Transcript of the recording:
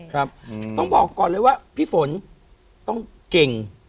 ครับต้องบอกก่อนเลยว่าพี่ฝนต้องเก่ง